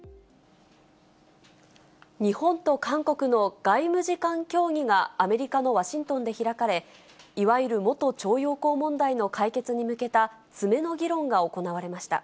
日本と韓国の外務次官協議が、アメリカのワシントンで開かれ、いわゆる元徴用工問題の解決に向けた詰めの議論が行われました。